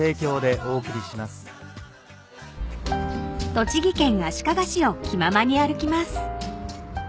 ［栃木県足利市を気ままに歩きます］